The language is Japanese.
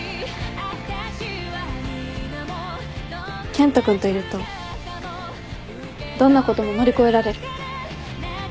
健人君といるとどんなことも乗り越えられる。